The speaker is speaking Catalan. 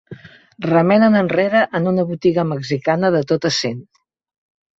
Remen enrere en una botiga mexicana de tot a cent.